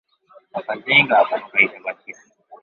Akazinga ako bakayita batya?